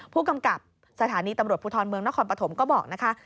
ผู้กำกับสถานีตำรวจภูทรเมืองนครปฐมก็บอกนะคะ